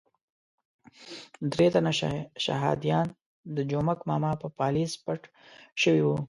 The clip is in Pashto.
درې تنه شهادیان د جومک ماما په پالیز پټ شوي وو.